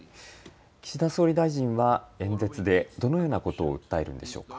岸田総理大臣は、演説でどのようなことを訴えるんでしょうか。